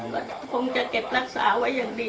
ก็คงจะเก็บรักษาไว้อย่างดี